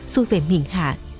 xuôi về miền hạ